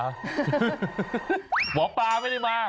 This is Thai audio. หมอปลาไม่ได้มา